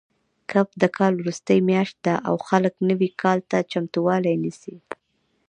کب د کال وروستۍ میاشت ده او خلک نوي کال ته چمتووالی نیسي.